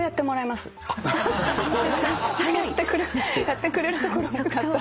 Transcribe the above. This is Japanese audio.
やってくれるところが。